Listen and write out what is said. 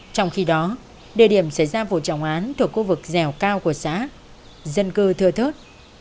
trong khi đó địa điểm xảy ra vụ trọng án thuộc khu vực dẻo cao của xã dân cư thưa thớt